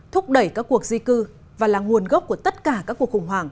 thúc đẩy các cuộc di cư và là nguồn gốc của tất cả các cuộc khủng hoảng